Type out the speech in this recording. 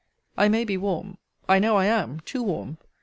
I may be warm. I know I am too warm.